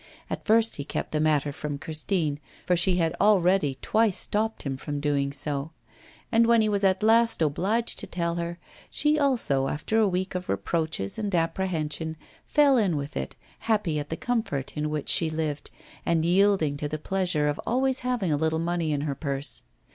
At first he kept the matter from Christine, for she had already twice stopped him from doing so; and when he was at last obliged to tell her, she also, after a week of reproaches and apprehension, fell in with it, happy at the comfort in which she lived, and yielding to the pleasure of always having a little money in her purse.